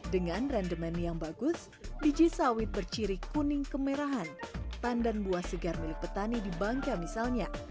dengan rendemen yang bagus biji sawit berciri kuning kemerahan pandan buah segar milik petani di bangka misalnya